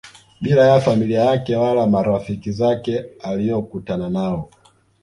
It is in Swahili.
bila ya familia yake wala marafiki zake aliokutana nao